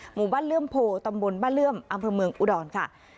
หมู่บ้านเลือมโพตอมบุญบ้านเลือมเองมืองอุดรค่ะ